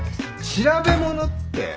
調べ物って。